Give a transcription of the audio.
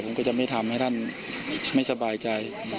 ผมก็จะไม่ทำให้ท่านไม่สบายใจ